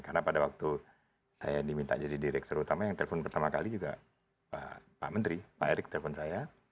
karena pada waktu saya diminta jadi direktur utama yang telpon pertama kali juga pak menteri pak erik telpon saya